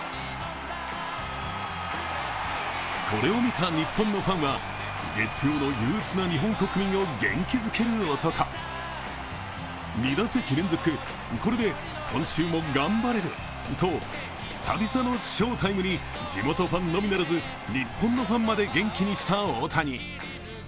これを見た日本のファンは、月曜のゆううつな日本国民を元気づける男、２打席連続、これで今週も頑張れると久々の翔タイムに地元ファンのみならず日本のファンまで元気にした大谷。